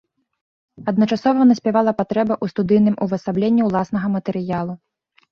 Адначасова наспявала патрэба ў студыйным увасабленні ўласнага матэрыялу.